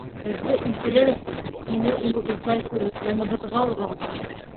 — Беҙҙе үлтерер өсөн! һине улыбыҙҙай күреп, яныбыҙға алғанға...